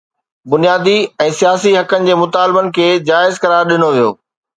بنيادي ۽ سياسي حقن جي مطالبن کي جائز قرار ڏنو ويو.